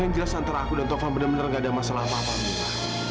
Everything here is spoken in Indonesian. yang jelas antara aku dan tovan benar benar enggak ada masalah apa apa mila